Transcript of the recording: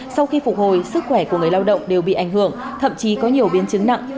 sau khi phục hồi sức khỏe của người lao động đều bị ảnh hưởng thậm chí có nhiều biến chứng nặng